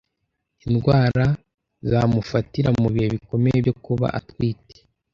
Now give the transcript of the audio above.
indwara zamufatira mu bihe bikomeye byo kuba atwite.